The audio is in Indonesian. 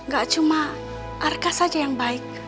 gak cuma arka saja yang baik